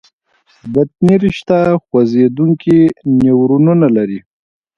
بطني رشته خوځېدونکي نیورونونه لري.